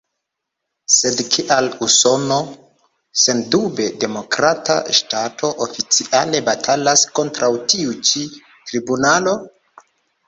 Sed kial Usono, sendube demokrata ŝtato, oficiale batalas kontraŭ tiu ĉi tribunalo?